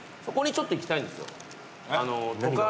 そこにちょっと行きたいんです。